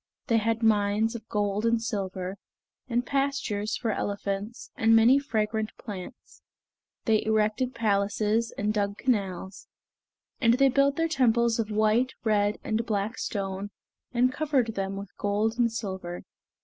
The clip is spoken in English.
They had mines of gold and silver, and pastures for elephants, and many fragrant plants. They erected palaces and dug canals; and they built their temples of white, red, and black stone, and covered them with gold and silver.